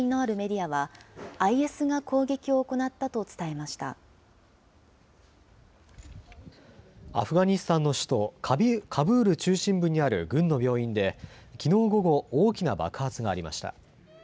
アフガニスタンの首都カブール中心部にある軍の病院で、きのう午後、大きな爆発がありました。